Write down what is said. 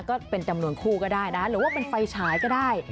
ก็เป็นจำนวนคู่ก็ได้นะหรือว่าเป็นไฟฉายก็ได้